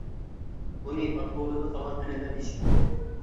بۇنى ئاتا-بوۋىلىرىدىن قالغان ئەنئەنە دېيىشكە بولىدۇ.